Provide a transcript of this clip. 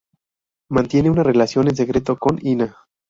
Mantiene una relación en secreto con Hina.